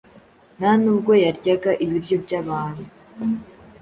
Ntanubwo yaryaga ibiryo byabantu,